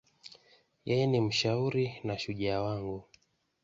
Yeye ni mshauri na shujaa wangu.